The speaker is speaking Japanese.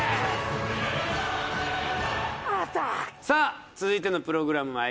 さあ続いてのプログラム